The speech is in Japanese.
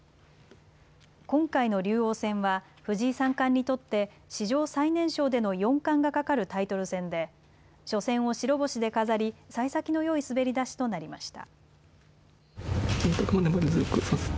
今回の竜王戦は藤井三冠にとって史上最年少での四冠がかかるタイトル戦で初戦を白星で飾り、さい先のよい滑り出しとなりました。